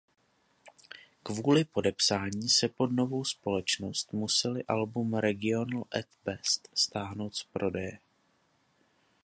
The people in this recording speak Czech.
Kvůli podepsání se pod novou společnost museli album Regional At Best stáhnout z prodeje.